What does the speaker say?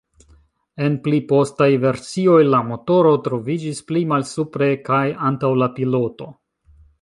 En pli postaj versioj la motoro troviĝis pli malsupre kaj antaŭ la piloto.